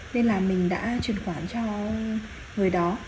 nên là mình đã chuyển khoản cho người đó